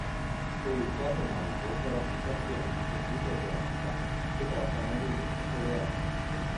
È usato molto per applicazioni di computer grafica che trattano le luci colorate.